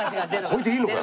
これでいいのか？